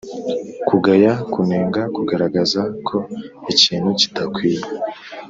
kugaya : kunenga; kugaragaza ko ikintu kidakwiye.